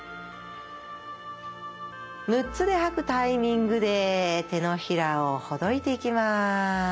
６つで吐くタイミングで手のひらをほどいていきます。